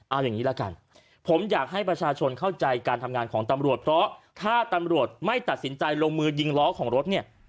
เอาอย่างนี้ละกันผมอยากให้ประชาชนเข้าใจการทำงานของตำรวจเพราะถ้าตำรวจไม่ตัดสินใจลงมือยิงล้อของรถเนี่ย